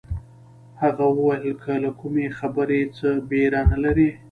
هغه وویل که له کومې خبرې څه بېره نه لرئ.